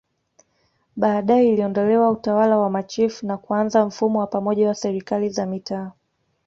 Baadae iliondolewa Utawala wa machifu na kuanza mfumo wa pamoja wa Serikali za Mitaa